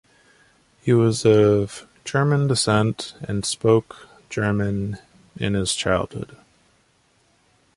He was of German descent and spoke German in his childhood.